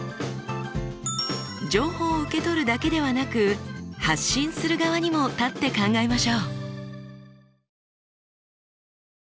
情報を受け取るだけではなく発信する側にも立って考えましょう。